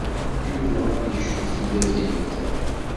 Yuba ad yecfu fell-ak i lebda.